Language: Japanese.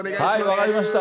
分かりました。